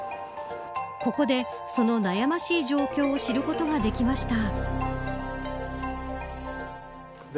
ここで、その悩ましい状況を知ることができました。